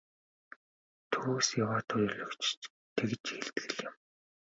Төвөөс яваа төлөөлөгчид ч тэгж хэлдэг л юм.